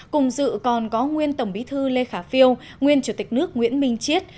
cùng dự còn có nguyên tổng bí thư lê khả phiêu nguyên chủ tịch nước nguyễn minh chiết